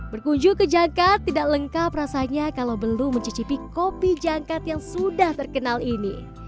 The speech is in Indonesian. berkunjung ke jangkat tidak lengkap rasanya kalau belum mencicipi kopi jangkat yang sudah terkenal ini